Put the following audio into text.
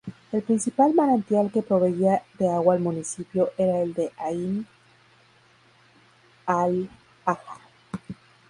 El principal manantial que proveía de agua al municipio era el de Ayn al-Hajja.